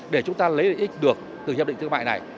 để chúng ta lấy được lợi ích từ hiệp định thương mại này